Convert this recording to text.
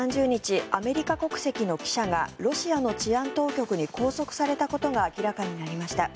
先月３０日アメリカ国籍の記者がロシアの治安当局に拘束されたことが明らかになりました。